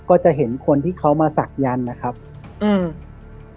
ก็จะเห็นคนที่เขามาศักยันต์นะครับอืม